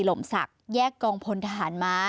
หล่มสักแยกกองพลทหารมา